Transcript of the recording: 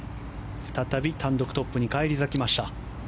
再び単独トップに返り咲きました。